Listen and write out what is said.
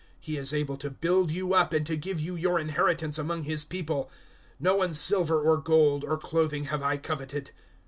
He is able to build you up and to give you your inheritance among His people. 020:033 No one's silver or gold or clothing have I coveted.